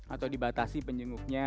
atau dibatasi penjenguknya